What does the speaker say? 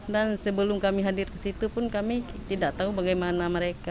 dan sebelum kami hadir ke situ pun kami tidak tahu bagaimana mereka